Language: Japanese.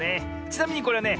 ちなみにこれはね